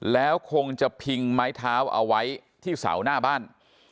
แล้วคงจะพิงไม้เท้าเอาไว้ที่เสาหน้าบ้าน